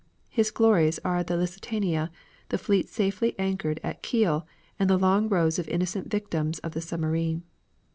His glories are the Lusitania, the fleet safely anchored at Kiel, and the long rows of innocent victims of the submarine.